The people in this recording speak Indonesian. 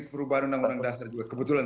perubahan undang undang dasar juga kebetulan